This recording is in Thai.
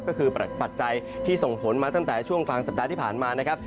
ก็คือปัจจัยที่ส่งผลมาตั้งแต่ช่วงกลางสัปดาห์ที่ผ่านมานะครับ